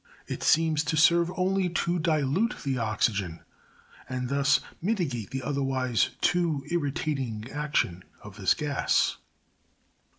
It seems to serv* only to dilute the oxygen, and thus mitigate the otherwise too irritating action of this gas.